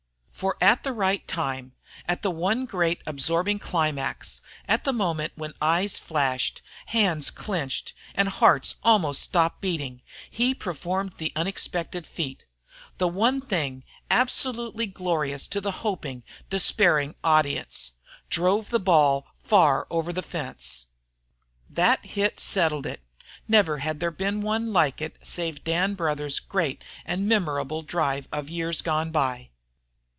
For at the right time, at the one great absorbing climax, at the moment when eyes flashed, hands clenched, and hearts almost stopped beating, he performed the unexpected feat, the one thing absolutely glorious to the hoping, despairing audience drove the ball far over the fence. That hit settled it. Never had there been one like it save Dan Brouthers' great and memorable drive of years gone by.